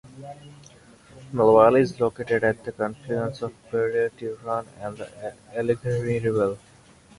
Millvale is located at the confluence of Girtys Run and the Allegheny River.